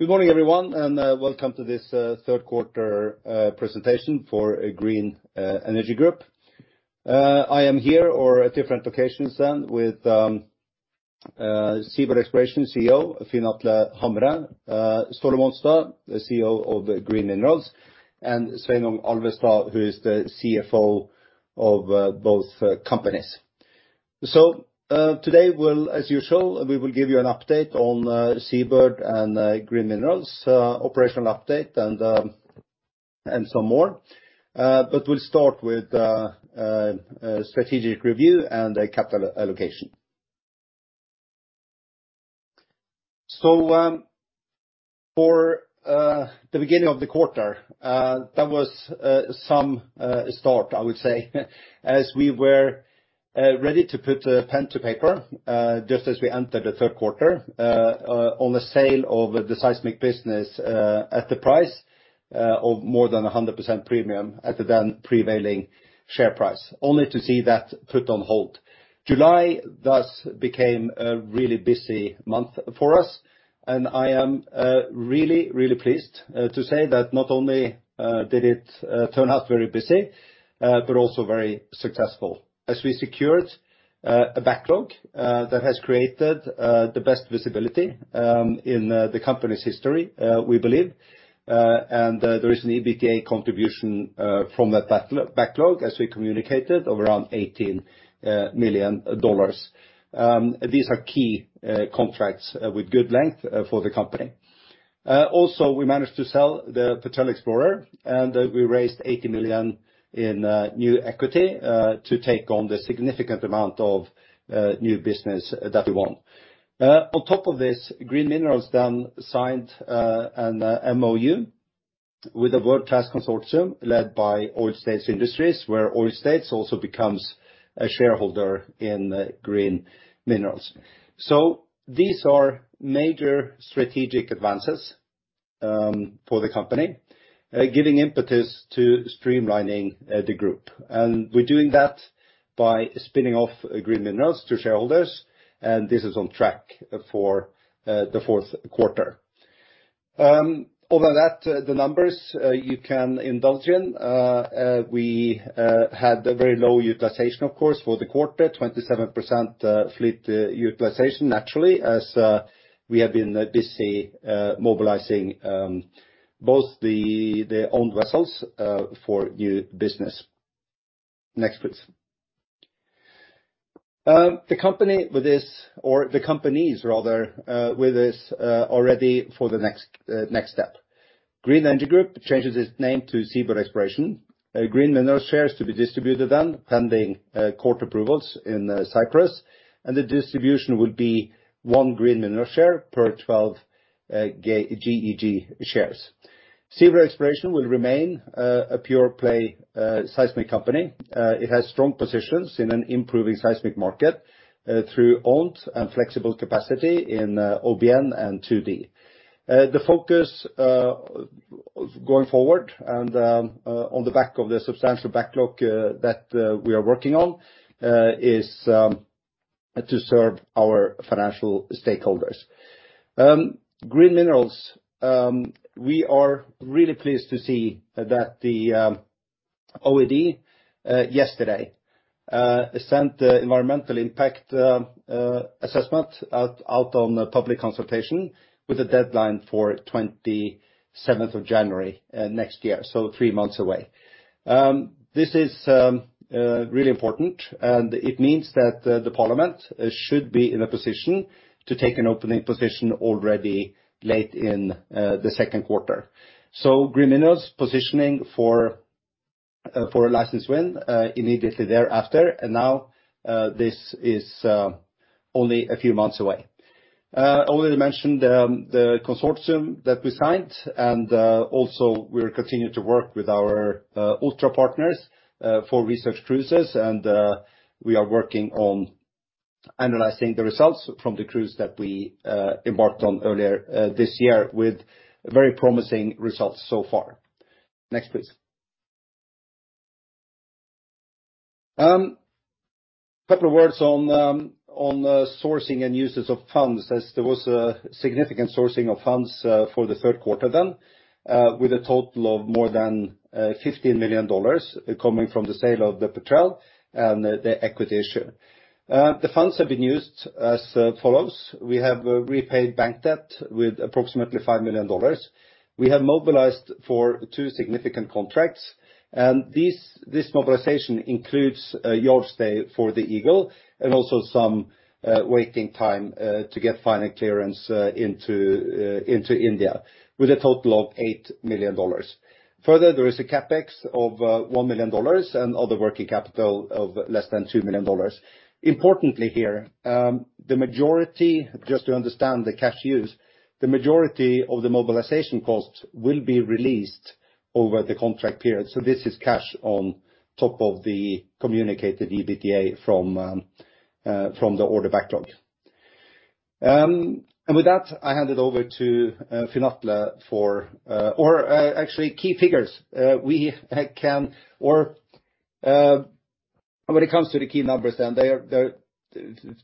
Good morning, everyone, and welcome to this third quarter presentation for Green Energy Group. I am here or at different locations than with Seabird Exploration CEO Finn Atle Hamre, Ståle Monstad, the CEO of Green Minerals, and Sveinung Alvestad, who is the CFO of both companies. Today, as usual, we will give you an update on Seabird and Green Minerals operational update and some more. We'll start with a strategic review and a capital allocation. For the beginning of the quarter, that was some start, I would say, as we were ready to put pen to paper just as we entered the third quarter on the sale of the seismic business at the price of more than 100% premium at the then prevailing share price, only to see that put on hold. July thus became a really busy month for us, and I am really, really pleased to say that not only did it turn out very busy, but also very successful as we secured a backlog that has created the best visibility in the company's history, we believe. There is an EBITDA contribution from the backlog as we communicated of around $18 million. These are key contracts with good length for the company. Also, we managed to sell the Petrel Explorer, and we raised 80 million in new equity to take on the significant amount of new business that we won. On top of this, Green Minerals then signed an MoU with a world-class consortium led by Oil States Industries, where Oil States also becomes a shareholder in Green Minerals. These are major strategic advances for the company, giving impetus to streamlining the group. We're doing that by spinning off Green Minerals to shareholders, and this is on track for the fourth quarter. Other than that, the numbers you can indulge in. We had a very low utilization, of course, for the quarter, 27% fleet utilization, naturally, as we have been busy mobilizing both the owned vessels for new business. Next, please. The company with this, or the companies rather, with this, are ready for the next step. Green Energy Group changes its name to Seabird Exploration. Green Minerals shares to be distributed then pending court approvals in Cyprus, and the distribution will be one Green Minerals share per 12 GEG shares. Seabird Exploration will remain a pure play seismic company. It has strong positions in an improving seismic market through owned and flexible capacity in OBN and 2D. The focus going forward and on the back of the substantial backlog that we are working on is to serve our financial stakeholders. Green Minerals, we are really pleased to see that the OED yesterday sent the environmental impact assessment out on public consultation with a deadline for 27th of January next year, so three months away. This is really important, and it means that the parliament should be in a position to take an opening position already late in the second quarter. Green Minerals positioning for a license win immediately thereafter. Now this is only a few months away. I already mentioned the consortium that we signed, and also we'll continue to work with our ULTRA partners for research cruises. We are working on analyzing the results from the cruise that we embarked on earlier this year with very promising results so far. Next, please. Couple of words on sources and uses of funds as there was a significant sources of funds for the third quarter then with a total of more than $15 million coming from the sale of the Petrel and the equity issue. The funds have been used as follows. We have repaid bank debt with approximately $5 million. We have mobilized for two significant contracts. This mobilization includes yard stay for the Eagle and also some waiting time to get final clearance into India with a total of $8 million. Further, there is a CapEx of $1 million and other working capital of less than $2 million. Importantly here, just to understand the cash use, the majority of the mobilization costs will be released over the contract period. This is cash on top of the communicated EBITDA from the order backlog. With that, I hand it over to Finn Atle or actually key figures. When it comes to the key numbers, then they're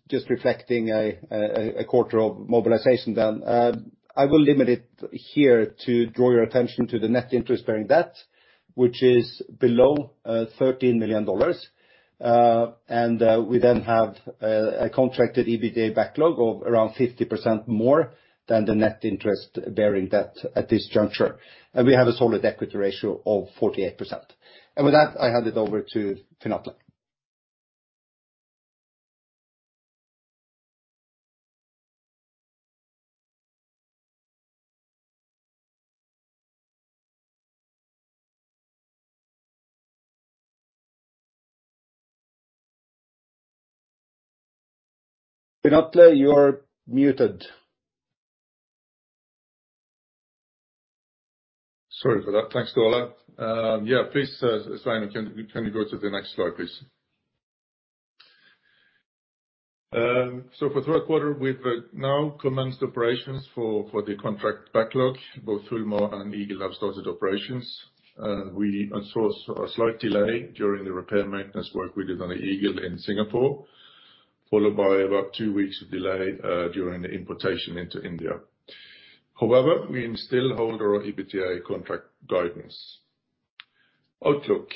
just reflecting a quarter of mobilization then. I will limit it here to draw your attention to the net interest-bearing debt, which is below $13 million. We then have a contracted EBITDA backlog of around 50% more than the net interest-bearing debt at this juncture. We have a solid equity ratio of 48%. With that, I hand it over to Finn Atle. Finn Atle, you are muted. Sorry for that. Thanks, Ståle. Yeah, please, Sveinung, can you go to the next slide, please? For third quarter, we've now commenced operations for the contract backlog. Both Fulmar and Eagle have started operations. We incurred a slight delay during the repair maintenance work we did on the Eagle in Singapore, followed by about two weeks of delay during the importation into India. However, we still hold our EBITDA contract guidance outlook.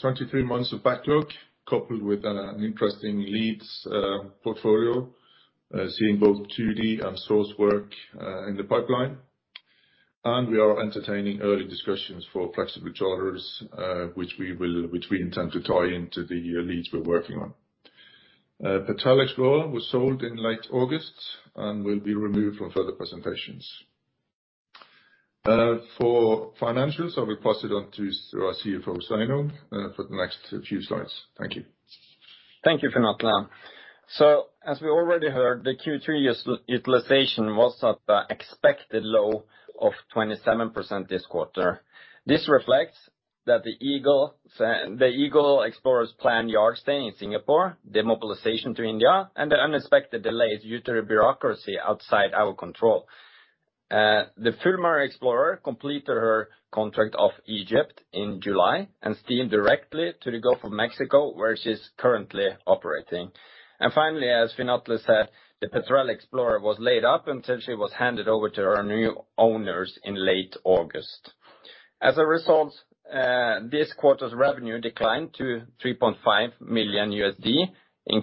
23 months of backlog coupled with an interesting leads portfolio, seeing both 2D and source work in the pipeline. We are entertaining early discussions for flexible charters, which we intend to tie into the leads we're working on. Petrel Explorer was sold in late August and will be removed from further presentations. For financials, I will pass it on to our CFO, Sveinung, for the next few slides. Thank you. Thank you, Finn Atle Hamre. As we already heard, the Q3 vessel utilization was at the expected low of 27% this quarter. This reflects that the Eagle Explorer's planned yard stay in Singapore, the mobilization to India, and the unexpected delays due to bureaucracy outside our control. The Fulmar Explorer completed her contract off Egypt in July and steamed directly to the Gulf of Mexico, where she's currently operating. As Finn Atle Hamre said, the Petrel Explorer was laid up until she was handed over to her new owners in late August. As a result, this quarter's revenue declined from $3.5 million in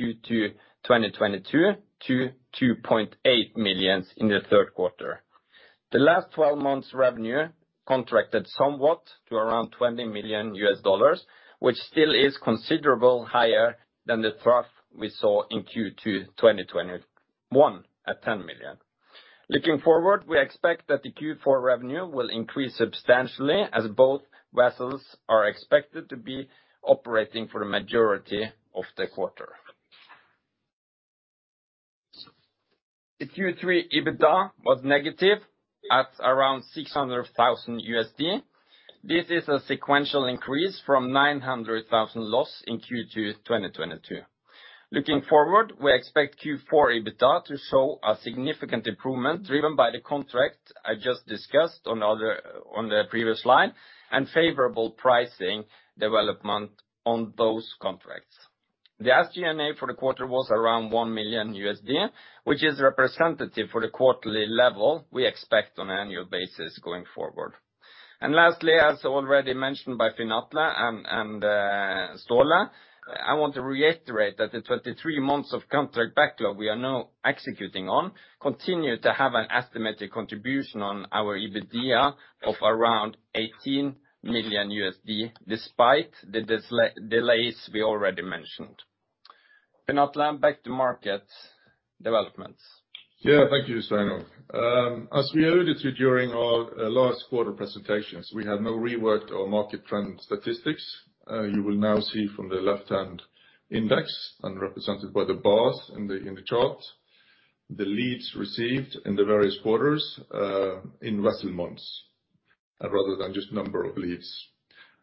Q2, 2022 to $2.8 million in the third quarter. The last 12 months revenue contracted somewhat to around $20 million, which still is considerably higher than the trough we saw in Q2 2021, at $10 million. Looking forward, we expect that the Q4 revenue will increase substantially as both vessels are expected to be operating for the majority of the quarter. The Q3 EBITDA was negative at around $600,000. This is a sequential increase from $900,000 loss in Q2 2022. Looking forward, we expect Q4 EBITDA to show a significant improvement driven by the contract I just discussed on the previous slide and favorable pricing development on those contracts. The SG&A for the quarter was around $1 million, which is representative for the quarterly level we expect on an annual basis going forward. Lastly, as already mentioned by Finn Atle and Ståle, I want to reiterate that the 23 months of contract backlog we are now executing on continue to have an estimated contribution on our EBITDA of around $18 million despite the delays we already mentioned. Finn Atle, back to market developments. Yeah, thank you, Sveinung. As we alluded to during our last quarter presentations, we have now reworked our market trend statistics. You will now see from the left-hand index and represented by the bars in the chart, the leads received in the various quarters in vessel months rather than just number of leads.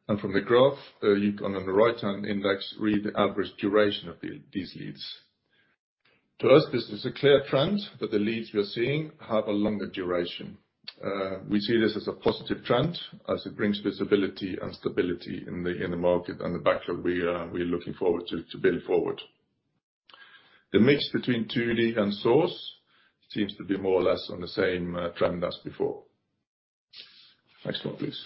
From the graph, you can on the right-hand index read the average duration of these leads. To us, this is a clear trend that the leads we are seeing have a longer duration. We see this as a positive trend as it brings visibility and stability in the market and the backlog we're looking forward to build forward. The mix between 2D and source seems to be more or less on the same trend as before. Next one please.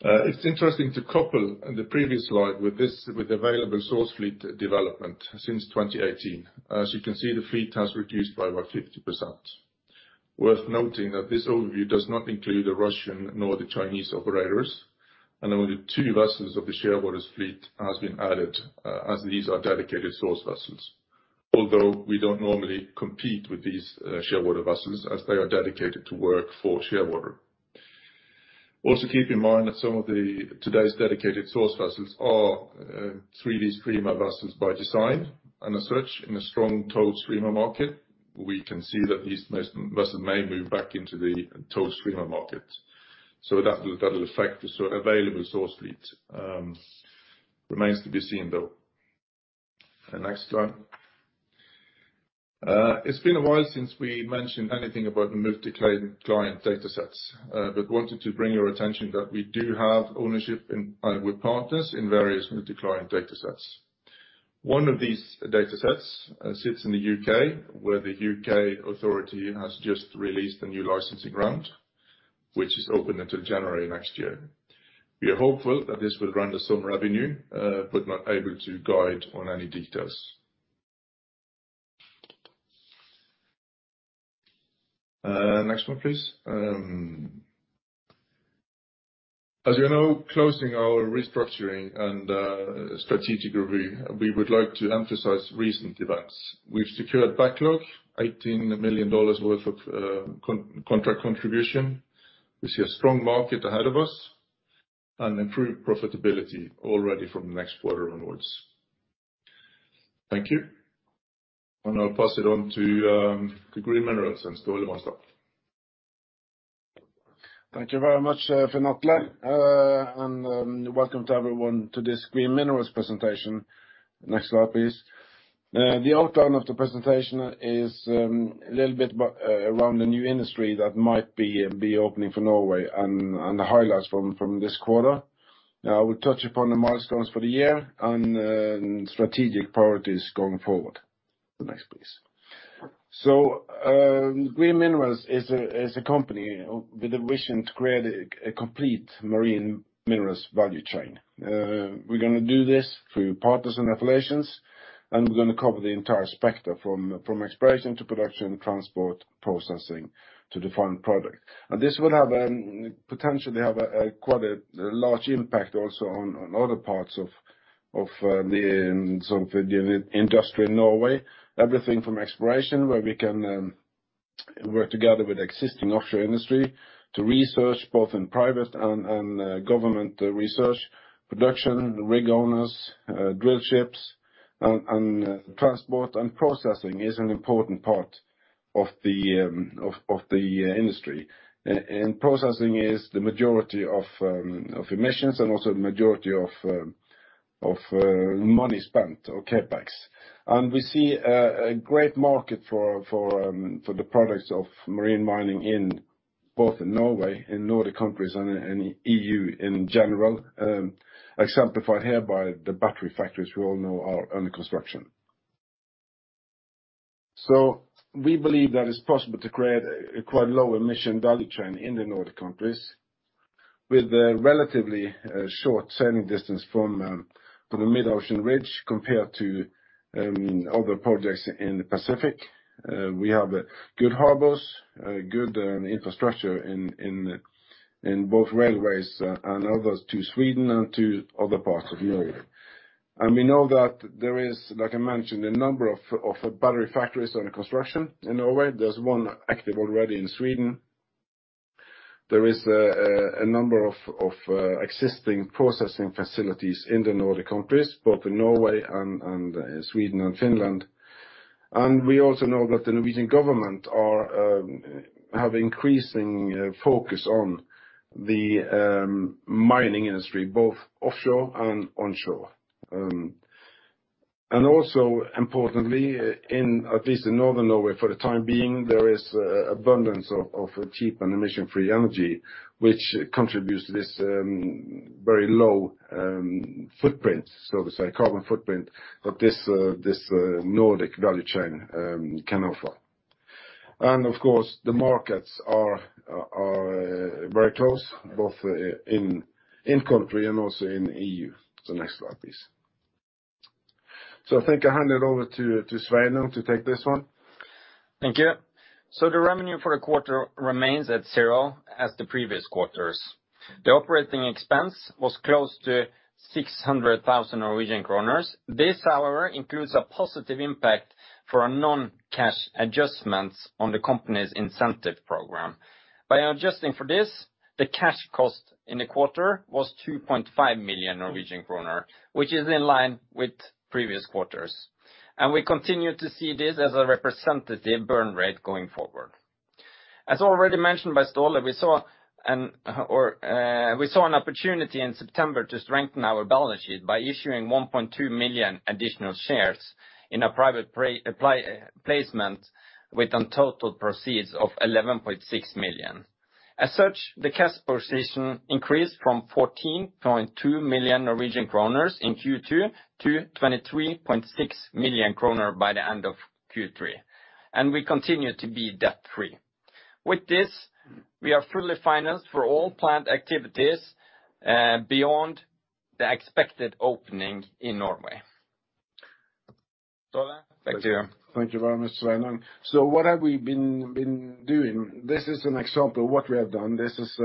It's interesting to couple the previous slide with this, with available source fleet development since 2018. As you can see, the fleet has reduced by about 50%. Worth noting that this overview does not include the Russian or the Chinese operators, and only two vessels of the Shearwater fleet has been added, as these are dedicated source vessels. Although we don't normally compete with these, Shearwater vessels, as they are dedicated to work for Shearwater. Also keep in mind that some of the today's dedicated source vessels are, 3D streamer vessels by design, and as such, in a strong towed streamer market. We can see that these most may move back into the towed streamer market. That will affect the available source fleet. Remains to be seen, though. The next one. It's been a while since we mentioned anything about multi-client, client datasets, but wanted to bring your attention that we do have ownership in, with partners in various multi-client datasets. One of these datasets sits in the UK, where the UK authority has just released a new licensing round, which is open until January next year. We are hopeful that this will render some revenue, but not able to guide on any details. Next one please. As you know, closing our restructuring and strategic review, we would like to emphasize recent events. We've secured backlog, $18 million worth of contract contribution. We see a strong market ahead of us and improved profitability already from the next quarter onwards. Thank you. I'll pass it on to Green Minerals and Ståle Monstad. Thank you very much for that one. Welcome to everyone to this Green Minerals presentation. Next slide, please. The outline of the presentation is a little bit about around the new industry that might be opening for Norway and the highlights from this quarter. Now, I will touch upon the milestones for the year and strategic priorities going forward. Next please. Green Minerals is a company with a vision to create a complete marine minerals value chain. We're gonna do this through partners and affiliations, and we're gonna cover the entire spectrum from exploration to production, transport, processing to the final product. This will have potentially a quite large impact also on other parts of some of the industry in Norway. Everything from exploration, where we can work together with existing offshore industry to research both in private and government research, production, rig owners, drill ships and transport and processing is an important part of the industry. Processing is the majority of emissions and also the majority of money spent or CapEx. We see a great market for the products of marine mining in both Norway and Nordic countries and EU in general, exemplified hereby the battery factories we all know are under construction. We believe that it's possible to create a quite low emission value chain in the Nordic countries with a relatively short sailing distance from the mid-ocean ridge compared to other projects in the Pacific. We have good harbors, good infrastructure in both railways and others to Sweden and to other parts of Norway. We know that there is, like I mentioned, a number of battery factories under construction in Norway. There's one active already in Sweden. There is a number of existing processing facilities in the Nordic countries, both in Norway and Sweden and Finland. We also know that the Norwegian government have increasing focus on the mining industry, both offshore and onshore. Also importantly, in at least northern Norway for the time being, there is abundance of cheap and emission-free energy which contributes to this very low footprint, so to say, carbon footprint, that this Nordic value chain can offer. Of course, the markets are very close, both in country and also in EU. The next slide please. I think I hand it over to Sveinung to take this one. Thank you. The revenue for the quarter remains at zero, as the previous quarters. The operating expense was close to 600 thousand Norwegian kroner. This, however, includes a positive impact for our non-cash adjustments on the company's incentive program. By adjusting for this, the cash cost in the quarter was 2.5 million Norwegian kroner, which is in line with previous quarters. We continue to see this as a representative burn rate going forward. As already mentioned by Ståle, we saw an opportunity in September to strengthen our balance sheet by issuing 1.2 million additional shares in a private placement with total proceeds of 11.6 million. As such, the cash position increased from 14.2 million Norwegian kroner in Q2 to 23.6 million kroner by the end of Q3. We continue to be debt-free. With this, we are fully financed for all planned activities, beyond the expected opening in Norway. Ståle back to you. Thank you. Thank you very much, Sveinung. What have we been doing? This is an example of what we have done. This is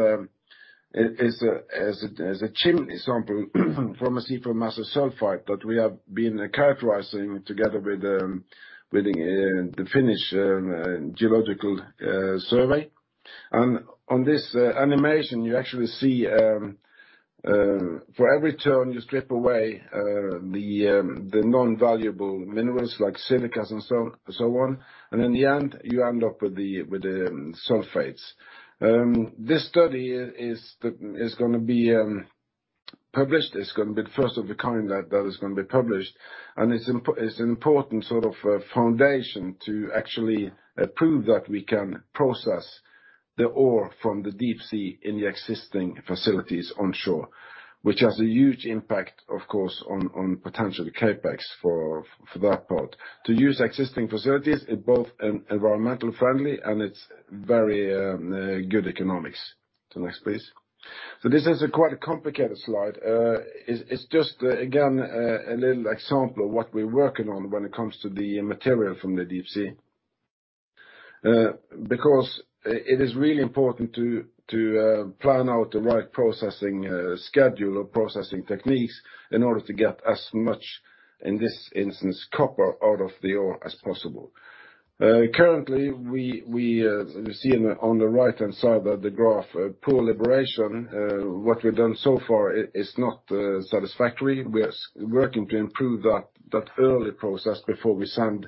a chimney sample from a seafloor massive sulfide that we have been characterizing together with the Geological Survey of Finland. On this animation, you actually see, for every tonne you strip away, the non-valuable minerals like silica and so on, and in the end, you end up with the sulfides. This study is gonna be published. It's gonna be the first of a kind that is gonna be published, and it's an important sort of a foundation to actually prove that we can process the ore from the deep sea in the existing facilities on shore, which has a huge impact, of course, on potential CapEx for that part. To use existing facilities is both environmental friendly, and it's very good economics. To the next please. This is quite a complicated slide. It's just again a little example of what we're working on when it comes to the material from the deep sea. Because it is really important to plan out the right processing schedule or processing techniques in order to get as much, in this instance, copper out of the ore as possible. Currently we see on the right-hand side of the graph poor liberation. What we've done so far is not satisfactory. We are working to improve that early process before we send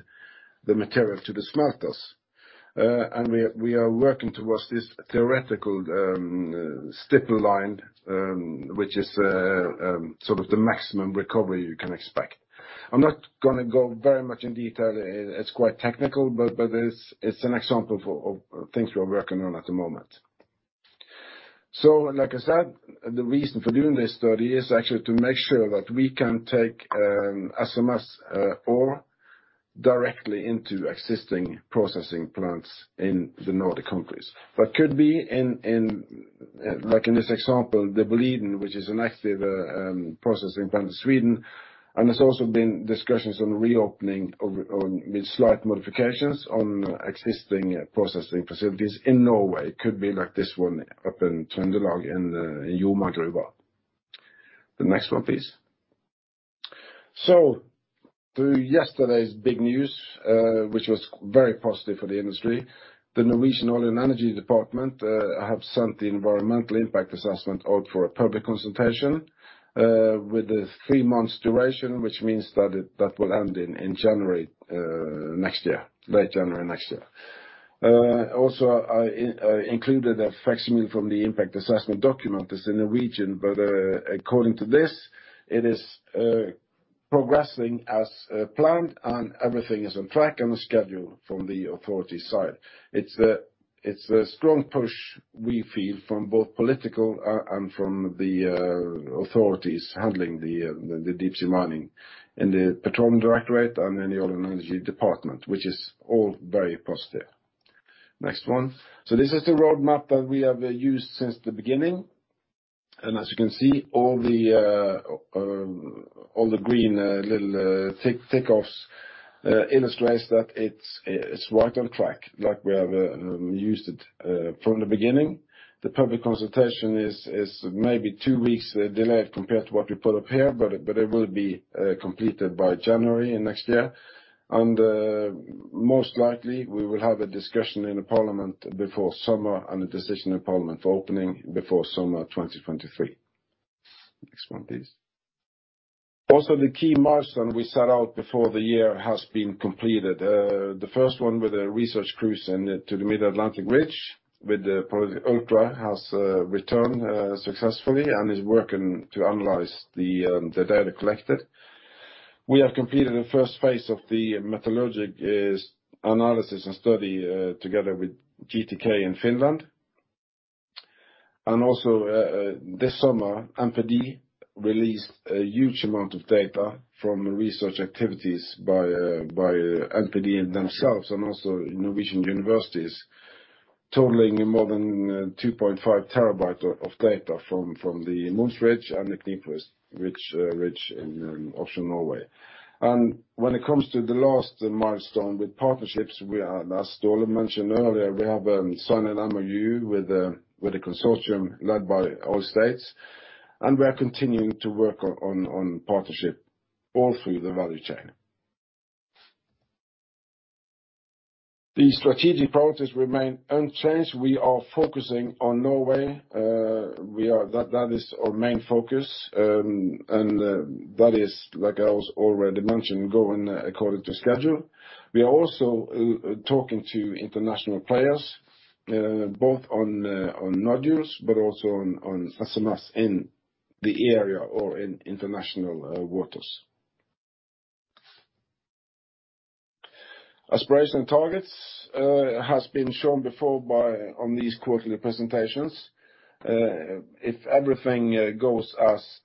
the material to the smelters. We are working towards this theoretical steeper line, which is sort of the maximum recovery you can expect. I'm not gonna go very much in detail. It's quite technical, but it's an example of things we are working on at the moment. Like I said, the reason for doing this study is actually to make sure that we can take SMS ore directly into existing processing plants in the Nordic countries. Could be like in this example, the Boliden, which is an active processing plant in Sweden, and there's also been discussions on reopening with slight modifications on existing processing facilities in Norway. It could be like this one up in Trøndelag in Joma Gruver. The next one, please. To yesterday's big news, which was very positive for the industry, the Norwegian Ministry of Petroleum and Energy have sent the environmental impact assessment out for a public consultation with a three-month duration, which means that it will end in January next year, late January next year. Also I included a facsimile from the impact assessment document that's in the region, but according to this, it is progressing as planned, and everything is on track and on schedule from the authorities' side. It's a strong push we feel from both political and from the authorities handling the deep sea mining in the Norwegian Petroleum Directorate and in the Ministry of Petroleum and Energy, which is all very positive. Next one, this is the roadmap that we have used since the beginning. As you can see, all the green little tick offs illustrates that it's right on track like we have used it from the beginning. The public consultation is maybe two weeks delayed compared to what we put up here, but it will be completed by January next year. Most likely, we will have a discussion in the parliament before summer and a decision in parliament for opening before summer 2023. Next one please. Also, the key milestone we set out before the year has been completed. The first one with a research cruise to the Mid-Atlantic Ridge with Project ULTRA has returned successfully and is working to analyze the data collected. We have completed the first phase of the metallurgical analysis and study together with GTK in Finland. This summer, NPD released a huge amount of data from research activities by NPD themselves and also Norwegian universities, totaling more than 2.5 TB of data from the Mohns Ridge and the Knipovich Ridge in offshore Norway. When it comes to the last milestone with partnerships, we are, as Ståle Rodahl mentioned earlier, we have signed an MOU with a consortium led by Oil States Industries, and we are continuing to work on partnership all through the value chain. The strategic priorities remain unchanged. We are focusing on Norway. That is our main focus. That is, like I already mentioned, going according to schedule. We are also talking to international players, both on nodules, but also on SMS in the area or in international waters. Aspiration targets has been shown before by on these quarterly presentations. If everything goes as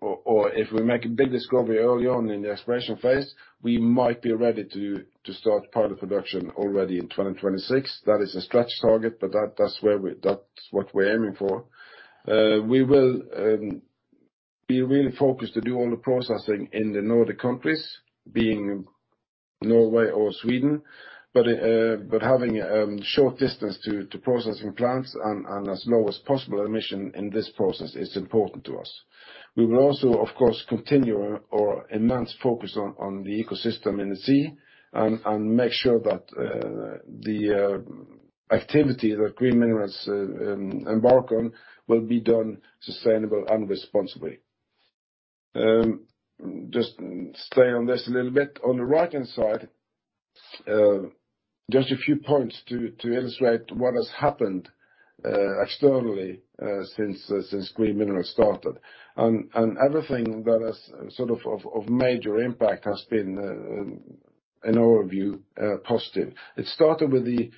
or if we make a big discovery early on in the exploration phase, we might be ready to start pilot production already in 2026. That is a stretch target, but that's what we're aiming for. We will be really focused to do all the processing in the Nordic countries, being Norway or Sweden, but having short distance to processing plants and as low as possible emissions in this process is important to us. We will also, of course, continue our immense focus on the ecosystem in the sea and make sure that the activity that Green Minerals embark on will be done sustainably and responsibly. Just stay on this a little bit. On the right-hand side, just a few points to illustrate what has happened externally since Green Minerals started. Everything that has sort of major impact has been, in our view, positive. It started with the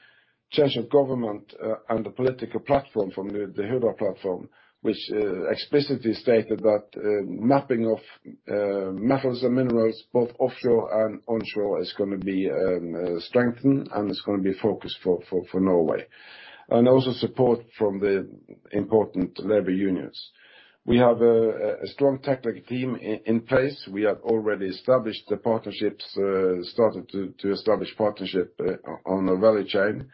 change of government and the political platform from the Hurdal Platform, which explicitly stated that mapping of metals and minerals, both offshore and onshore, is gonna be strengthened and it's gonna be focused for Norway. Also support from the important labor unions. We have a strong technical team in place. We have already established the partnerships, started to establish partnership on the value chain.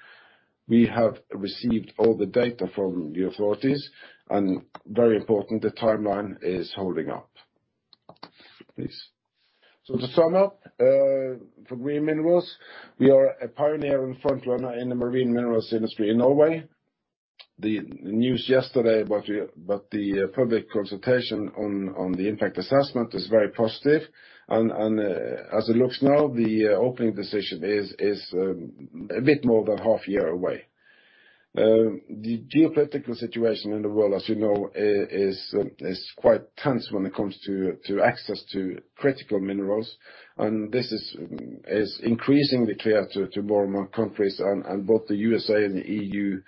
We have received all the data from the authorities, and very important, the timeline is holding up. Please. To sum up, for Green Minerals, we are a pioneer and front runner in the marine minerals industry in Norway. The news yesterday about the public consultation on the impact assessment is very positive and, as it looks now, the opening decision is a bit more than half year away. The geopolitical situation in the world, as you know, is quite tense when it comes to access to critical minerals, and this is increasingly clear to more and more countries. Both the USA and the EU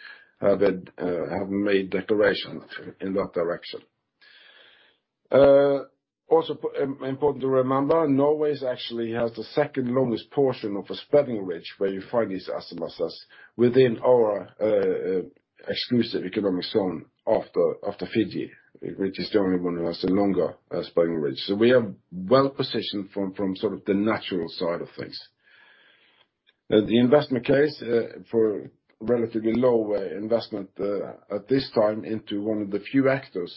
have made declarations in that direction. Important to remember, Norway actually has the second longest portion of the spreading ridge where you find these SMSs within our exclusive economic zone after Fiji, which is the only one who has a longer spreading ridge. We are well-positioned from sort of the natural side of things. The investment case for relatively low investment at this time into one of the few actors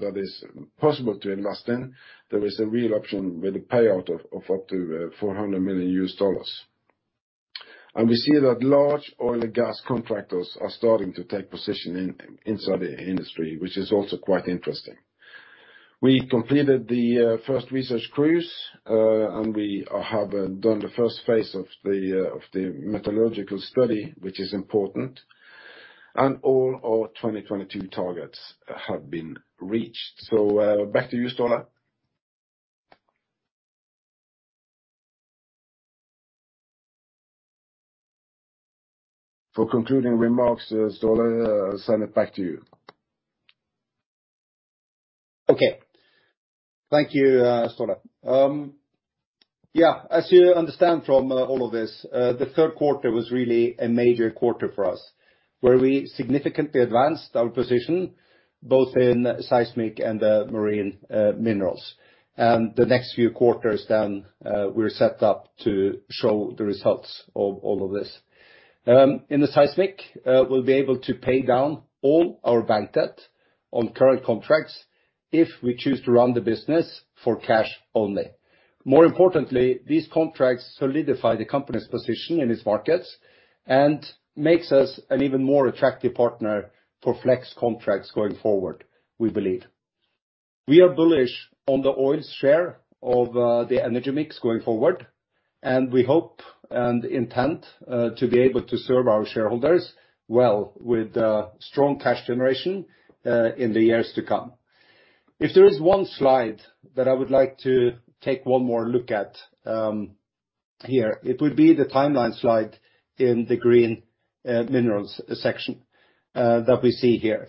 that is possible to invest in, there is a real option with a payout of up to $400 million. We see that large oil and gas contractors are starting to take position in the industry, which is also quite interesting. We completed the first research cruise, and we have done the first phase of the metallurgical study, which is important, and all our 2022 targets have been reached. Back to you Ståle. For concluding remarks, Ståle I'll send it back to you. Okay. Thank you, Ståle. Yeah, as you understand from all of this, the third quarter was really a major quarter for us, where we significantly advanced our position both in seismic and the marine minerals. The next few quarters then, we're set up to show the results of all of this. In the seismic, we'll be able to pay down all our bank debt on current contracts if we choose to run the business for cash only. More importantly, these contracts solidify the company's position in its markets and makes us an even more attractive partner for flex contracts going forward, we believe. We are bullish on the oil share of the energy mix going forward, and we hope and intend to be able to serve our shareholders well with strong cash generation in the years to come. If there is one slide that I would like to take one more look at here, it would be the timeline slide in the Green Minerals section that we see here.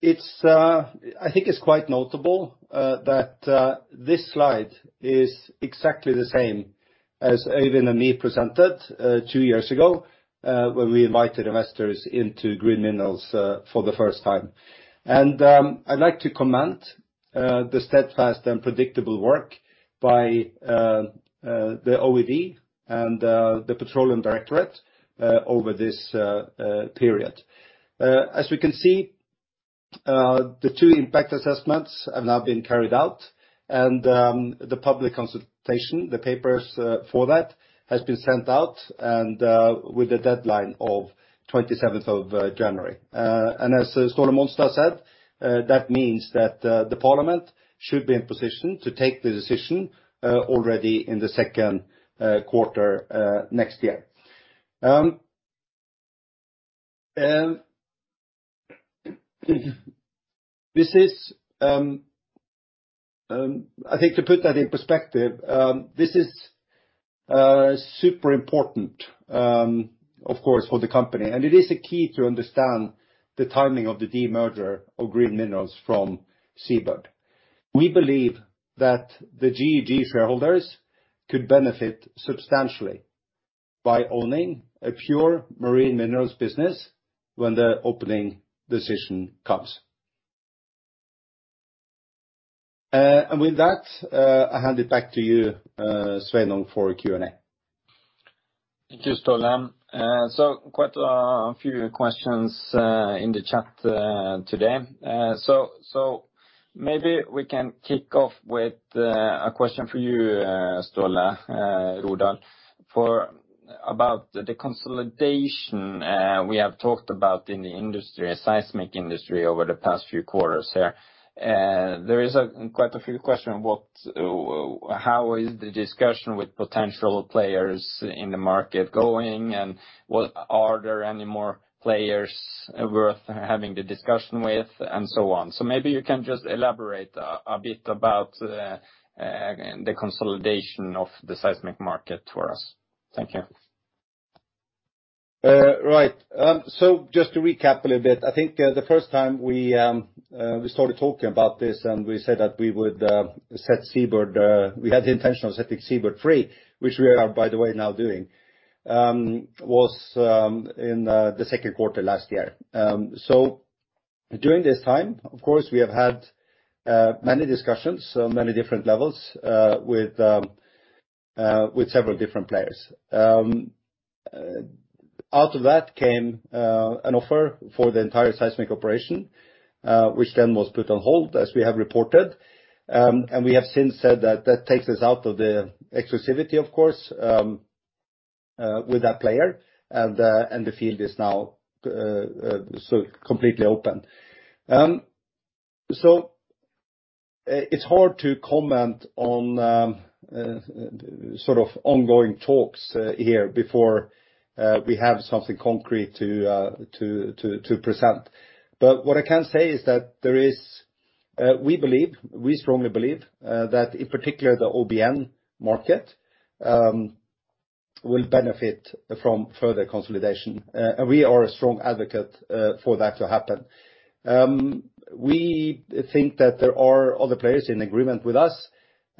It's, I think it's quite notable that this slide is exactly the same as Øyvind and me presented two years ago when we invited investors into Green Minerals for the first time. I'd like to commend the steadfast and predictable work by the OED and the Norwegian Petroleum Directorate over this period. As we can see, the two impact assessments have now been carried out and the public consultation, the papers, for that has been sent out and with a deadline of 27th of January. As Ståle Monstad said, that means that the parliament should be in position to take the decision already in the second quarter next year. This is, I think to put that in perspective, this is super important, of course, for the company. It is a key to understand the timing of the demerger of Green Minerals from Seabird. We believe that the GEG shareholders could benefit substantially by owning a pure marine minerals business when the opening decision comes. With that, I hand it back to you Sveinung for Q&A. Thank you, Ståle. Quite a few questions in the chat today. Maybe we can kick off with a question for you, Ståle Rodahl, about the consolidation we have talked about in the seismic industry over the past few quarters here. There are quite a few questions, how is the discussion with potential players in the market going? Are there any more players worth having the discussion with, and so on? Maybe you can just elaborate a bit about the consolidation of the seismic market for us. Thank you. Right. Just to recap a little bit, I think, the first time we started talking about this, and we said that we would set Seabird, we had the intention of setting Seabird free, which we are, by the way, now doing, was in the second quarter last year. During this time, of course, we have had many discussions on many different levels, with several different players. Out of that came an offer for the entire seismic operation, which then was put on hold, as we have reported. We have since said that that takes us out of the exclusivity, of course, with that player, and the field is now so completely open. It's hard to comment on sort of ongoing talks here before we have something concrete to present. What I can say is that we strongly believe that in particular, the OBN market will benefit from further consolidation. We are a strong advocate for that to happen. We think that there are other players in agreement with us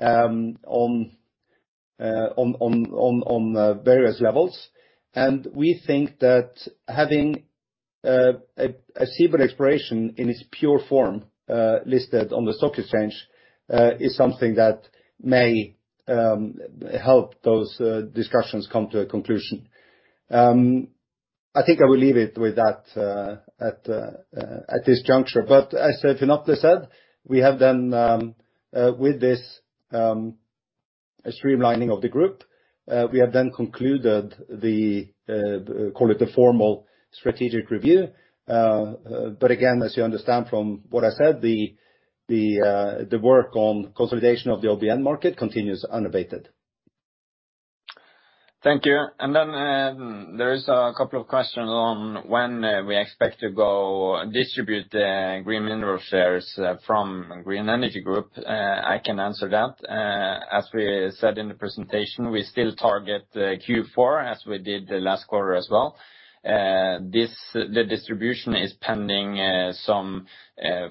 on various levels. We think that having a Seabird Exploration in its pure form listed on the stock exchange is something that may help those discussions come to a conclusion. I think I will leave it with that at this juncture. As Finn Atle Hamre said, we have then, with this streamlining of the group, we have then concluded the, call it, the formal strategic review. Again, as you understand from what I said, the work on consolidation of the OBN market continues unabated. Thank you. There is a couple of questions on when we expect to go distribute Green Minerals shares from Green Energy Group. I can answer that. As we said in the presentation, we still target Q4 as we did the last quarter as well. The distribution is pending some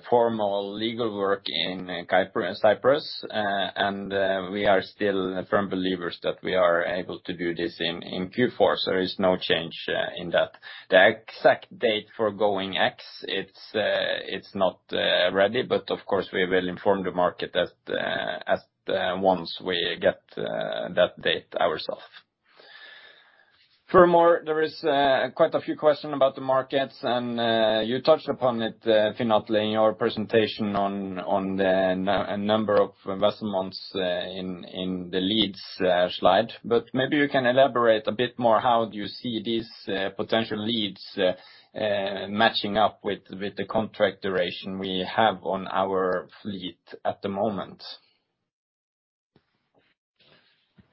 formal legal work in Cyprus. We are still firm believers that we are able to do this in Q4, so there is no change in that. The exact date for going ex is not ready, but of course, we will inform the market as soon as we get that date ourselves. Furthermore, there is quite a few questions about the markets, and you touched upon it, Finn Atle Hamre, in your presentation on the number of investments in the leads matching up with the contract duration we have on our fleet at the moment?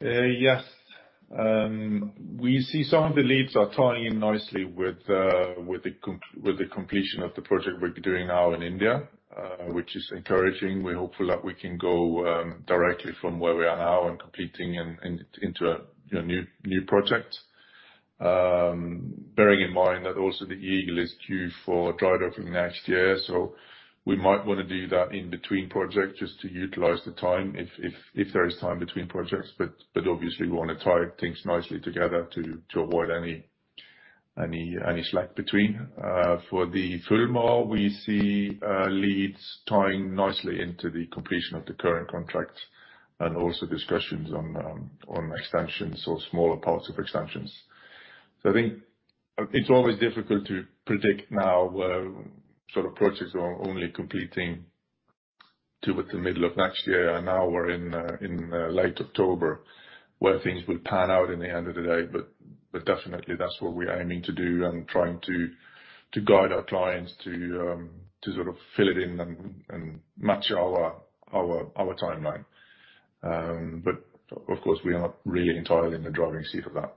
Yes. We see some of the leads are tying in nicely with the completion of the project we're doing now in India, which is encouraging. We're hopeful that we can go directly from where we are now and competing into a you know new project. Bearing in mind that also the Eagle is due for dry docking next year, so we might wanna do that in between projects just to utilize the time if there is time between projects. Obviously we wanna tie things nicely together to avoid any slack between. For the Fulmar, we see leads tying nicely into the completion of the current contracts and also discussions on extensions or smaller parts of extensions. I think it's always difficult to predict now, sort of projects are only completing to about the middle of next year, and now we're in late October, where things will pan out in the end of the day. Definitely that's what we're aiming to do and trying to guide our clients to sort of fill it in and match our timeline. Of course, we are not really entirely in the driving seat of that.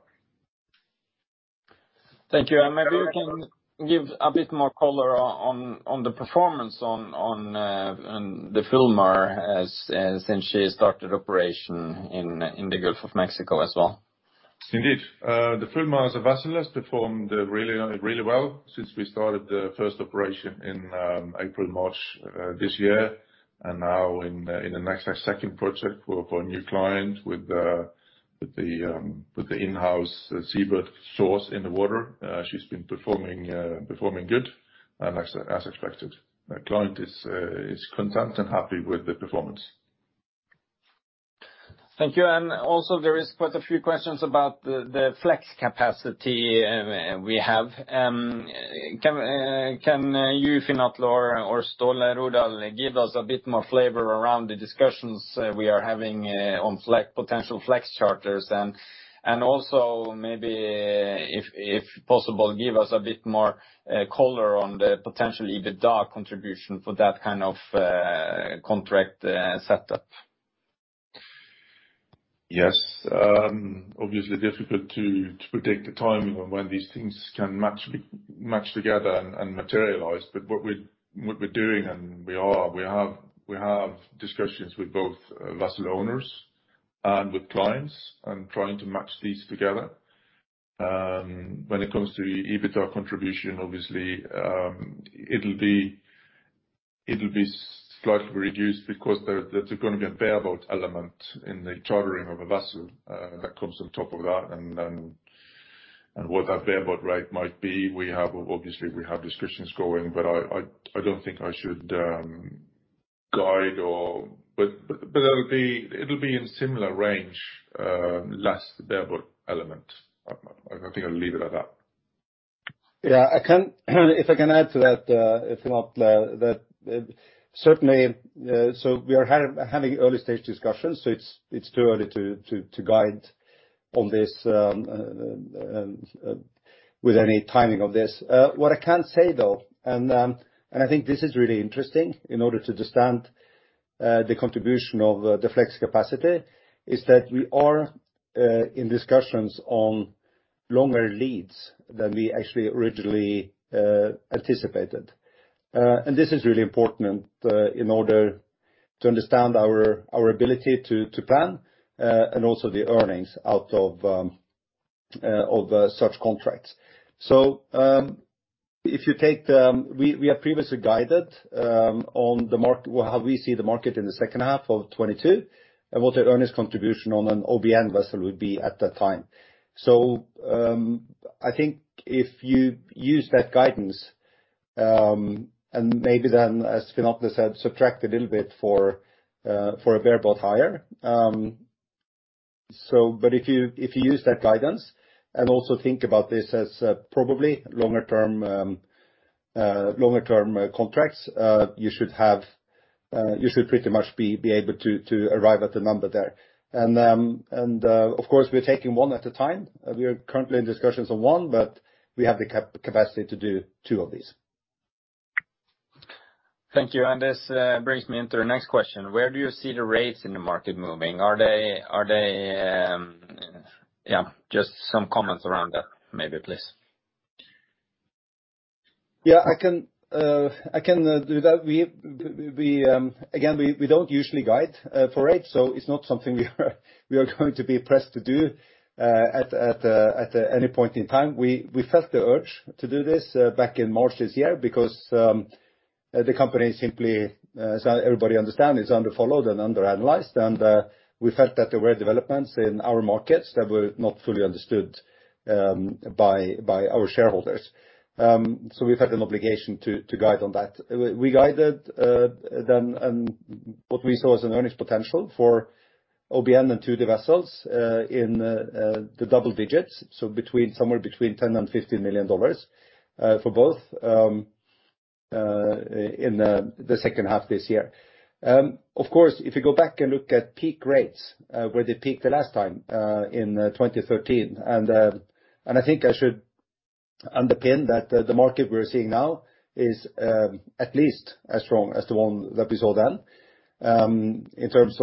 Thank you. Maybe you can give a bit more color on the performance on the Fulmar as since she started operation in the Gulf of Mexico as well. Indeed. The Fulmar as a vessel has performed really well since we started the first operation in March this year, and now in the next second project for a new client with the in-house Seabird source in the water. She's been performing good and as expected. The client is content and happy with the performance. Thank you. Also there is quite a few questions about the flex capacity we have. Can you Finn Atle Hamre or Ståle Rodahl give us a bit more flavor around the discussions we are having on the potential flex charters? Also maybe if possible, give us a bit more color on the potential EBITDA contribution for that kind of contract setup. Yes. Obviously difficult to predict the timing on when these things can match together and materialize. What we're doing, we have discussions with both vessel owners and with clients and trying to match these together. When it comes to EBITDA contribution, obviously, it'll be slightly reduced because there's gonna be a bareboat element in the chartering of a vessel that comes on top of that. What that bareboat rate might be, we have discussions going. I don't think I should guide. But it'll be in similar range, less the bareboat element. I think I'll leave it at that. Yeah. If I can add to that, if not that certainly we are having early stage discussions, so it's too early to guide on this with any timing of this. What I can say, though, and I think this is really interesting in order to understand the contribution of the flex capacity is that we are in discussions on longer leads than we actually originally anticipated. This is really important in order to understand our ability to plan and also the earnings out of such contracts. We have previously guided on how we see the market in the second half of 2022, and what the earnings contribution on an OBN vessel would be at that time. I think if you use that guidance and maybe then, as Finn Atle Hamre said, subtract a little bit for a bareboat hire. If you use that guidance and also think about this as probably longer term contracts, you should pretty much be able to arrive at the number there. Of course, we're taking one at a time. We are currently in discussions on one, but we have the capacity to do two of these. Thank you. This brings me into the next question, where do you see the rates in the market moving? Are they? Yeah, just some comments around that, maybe, please. Yeah. I can do that. We again don't usually guide for rates, so it's not something we are going to be pressed to do at any point in time. We felt the urge to do this back in March this year because the company simply, as everybody understands, is under-followed and under-analyzed. We felt that there were developments in our markets that were not fully understood by our shareholders. We felt an obligation to guide on that. We guided then on what we saw as an earnings potential for OBN and 2D vessels in the double digits, so between somewhere between $10 million-$50 million for both in the second half this year. Of course, if you go back and look at peak rates where they peaked the last time in 2013. I think I should underpin that the market we're seeing now is at least as strong as the one that we saw then in terms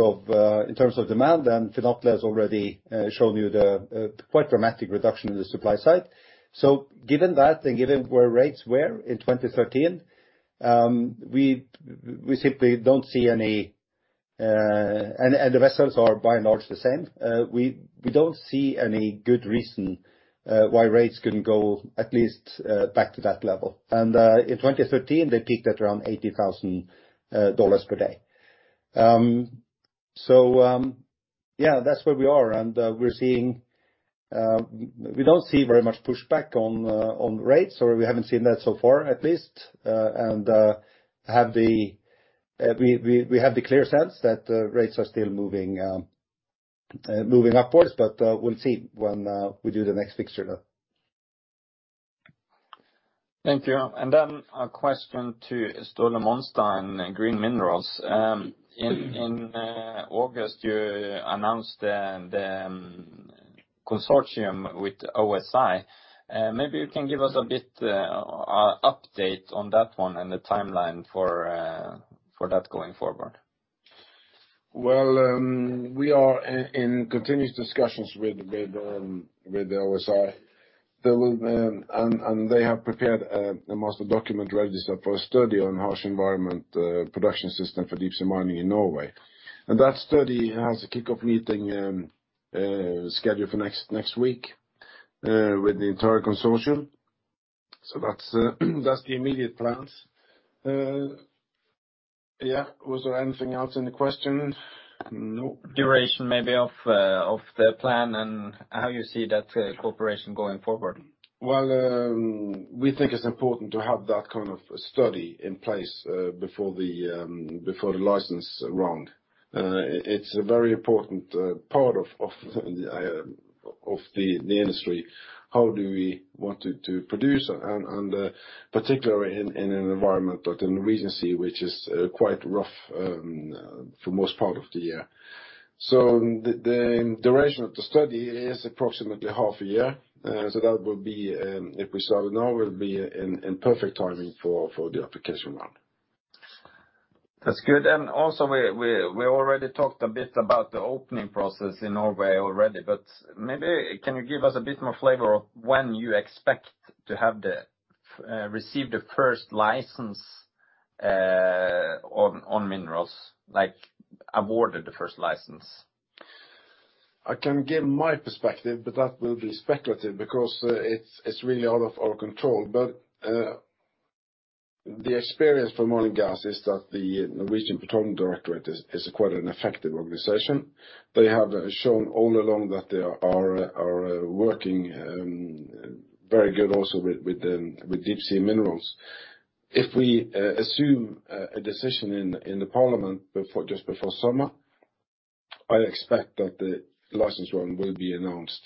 of demand. Finn Atle Hamre has already shown you the quite dramatic reduction in the supply side. Given that and given where rates were in 2013, we simply don't see any. The vessels are by and large the same. We don't see any good reason why rates couldn't go at least back to that level. In 2013, they peaked at around $80,000 per day. That's where we are. We don't see very much pushback on rates or we haven't seen that so far at least. We have the clear sense that rates are still moving upwards, but we'll see when we do the next fixture. Thank you. A question to Ståle Monstad in Green Minerals. In August, you announced the consortium with OSI. Maybe you can give us a bit update on that one and the timeline for that going forward. Well, we are in continuous discussions with the OSI. They have prepared most of the document register for a study on harsh environment production system for deep sea mining in Norway. That study has a kickoff meeting scheduled for next week with the entire consortium. That's the immediate plans. Yeah. Was there anything else in the question? No. Duration, maybe, of the plan and how you see that cooperation going forward? Well, we think it's important to have that kind of study in place before the license round. It's a very important part of the industry. How do we want it to produce and particularly in an environment like the Norwegian Sea, which is quite rough for most part of the year? The duration of the study is approximately half a year that will be if we start now will be in perfect timing for the application round. That's good. Also we already talked a bit about the opening process in Norway already, but maybe can you give us a bit more flavor of when you expect to receive the first license on minerals, like awarded the first license? I can give my perspective, but that will be speculative because it's really out of our control. The experience in oil and gas is that the Norwegian Petroleum Directorate is quite an effective organization. They have shown all along that they are working very good also with deep sea minerals. If we assume a decision in the parliament before, just before summer, I expect that the license round will be announced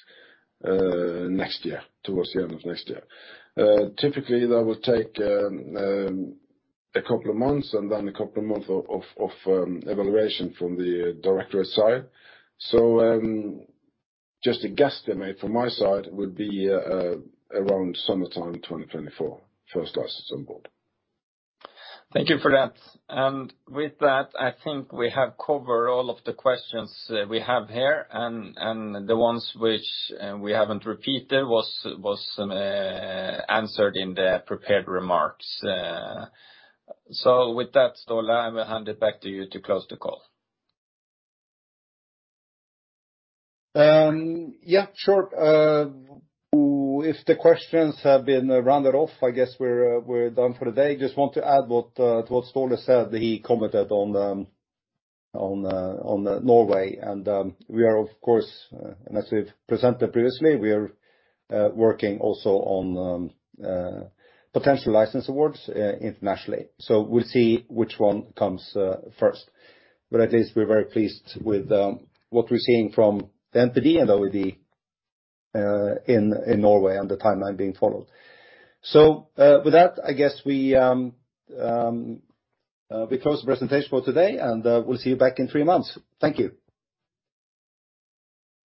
next year, towards the end of next year. Typically that will take a couple of months and then a couple of months of evaluation from the directorate side. Just a guesstimate from my side would be around summertime 2024, first license on board. Thank you for that. With that, I think we have covered all of the questions we have here, and the ones which we haven't repeated was answered in the prepared remarks. With that, Ståle, I will hand it back to you to close the call. Yeah, sure. If the questions have been rounded off, I guess we're done for the day. Just want to add to what Ståle said. He commented on Norway. We are of course, and as we've presented previously, we are working also on potential license awards internationally. We'll see which one comes first. At least we're very pleased with what we're seeing from the NPD and OED in Norway and the timeline being followed. With that, I guess we close the presentation for today, and we'll see you back in three months. Thank you.